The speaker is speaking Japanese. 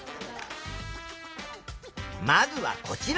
まずはこちら。